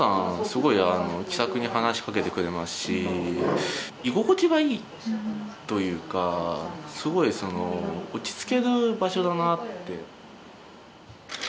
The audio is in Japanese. すごく気さくに話しかけてくれますし居心地がいいというかすごく落ち着ける場所だなって。